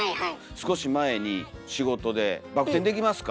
少し前に仕事で「バク転できますか？」